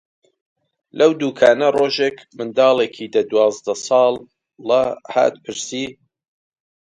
لەو دووکانە ڕۆژێک منداڵێکی دە-دوازدە ساڵە هات پرسی: